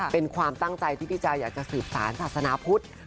เป็นความตั้งใจที่พี่จะอยากจะสืบสารศาสนาพุทธ